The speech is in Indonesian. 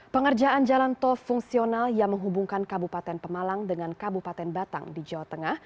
pengerjaan jalan tol fungsional yang menghubungkan kabupaten pemalang dengan kabupaten batang di jawa tengah